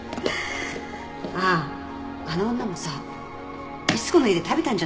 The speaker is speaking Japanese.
あっあの女もさ逸子の家で食べたんじゃないの？